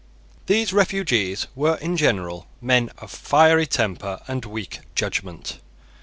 These refugees were in general men of fiery temper and weak judgment.